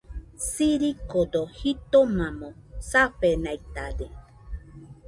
Sirikodo jitomamo safenaitade.